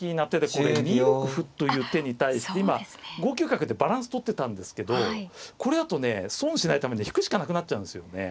これ２六歩という手に対して今５九角でバランスとってたんですけどこれだとね損しないためには引くしかなくなっちゃうんですよね。